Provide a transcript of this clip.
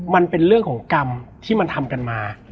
มันเป็นเรื่องของกรรมที่มันทำกันมา